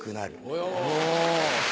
お。